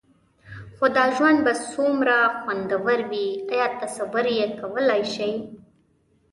خو دا ژوند به څومره خوندور وي؟ ایا تصور یې کولای شئ؟